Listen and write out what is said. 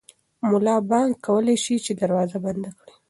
ملا بانګ کولی شي چې دروازه بنده کړي.